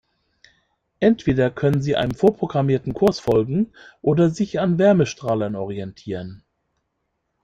Entweder können sie einem vorprogrammierten Kurs folgen oder sich an Wärmestrahlern orientieren.